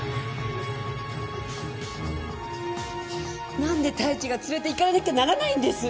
なんで太一が連れて行かれなきゃならないんです？